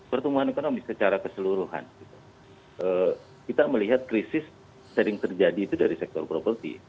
pertumbuhan ekonomi secara keseluruhan kita melihat krisis sering terjadi itu dari sektor properti